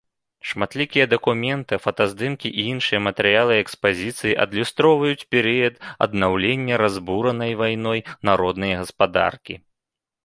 Шматлікія дакументы, фотаздымкі і іншыя матэрыялы экспазіцыі адлюстроўваюць перыяд аднаўлення разбуранай вайной народнай гаспадаркі.